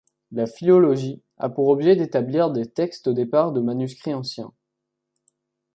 La philologie a pour objet d'établir des textes au départ de manuscrits anciens.